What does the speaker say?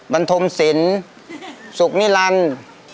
บรรทมศิลป์สุขนิรันดิ์